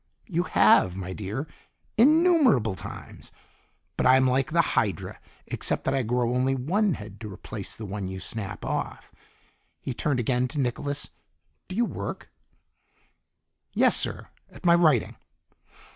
"You have, my dear, innumerable times. But I'm like the Hydra, except that I grow only one head to replace the one you snap off." He turned again to Nicholas. "Do you work?" "Yes, sir. At my writing."